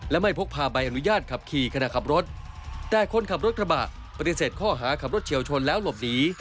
และไม่พกพาใบอนุญาตขับขี่ขณะขับรถแต่คนขับรถกระบะปฏิเสธข้อหาขับรถเฉียวชนแล้วหลบหนี